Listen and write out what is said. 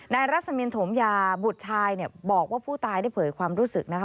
รัศมินถมยาบุตรชายบอกว่าผู้ตายได้เผยความรู้สึกนะคะ